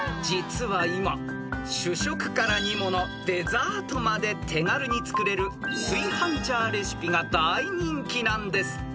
実は今主食から煮物デザートまで手軽に作れる炊飯ジャーレシピが大人気なんです］